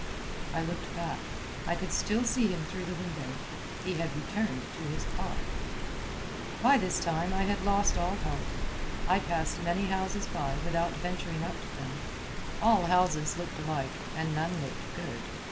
I looked back. I could still see him through the window. He had returned to his pie. By this time I had lost heart. I passed many houses by without venturing up to them. All houses looked alike, and none looked "good."